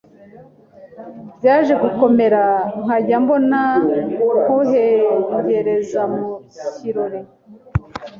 byaje gukomera nkajya mbona nkuhengereza mu cyirori